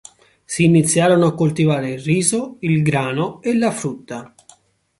Si iniziarono a coltivare il riso, il grano e la frutta.